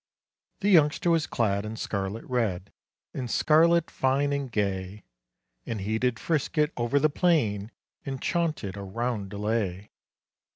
The youngster was clad in scarlet red, In scarlet fine and gay; And he did frisk it over the plain, And chaunted a roundelay.